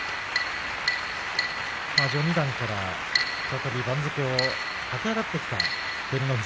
序二段から再び番付を駆け上がってきた照ノ富士。